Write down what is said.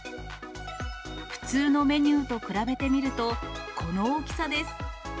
普通のメニューと比べてみると、この大きさです。